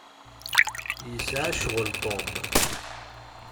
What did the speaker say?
Yesɛa ccɣel Tom.